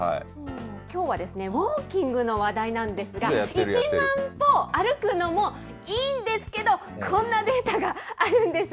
きょうは、ウォーキングの話題なんですが、１万歩歩くのもいいんですけれども、こんなデータがあるんです。